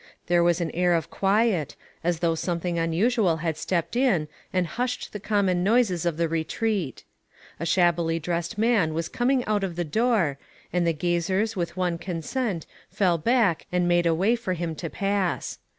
There was an air of quiet, as though something unusual had stepped in and hushed the common noises of the re treat. A shabbily dressed man was coming out of the door, and the gazers with one consent fell back and made a way for him to pass.